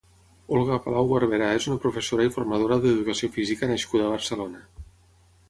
Olga Palau Barberà és una professora i formadora d'educació física nascuda a Barcelona.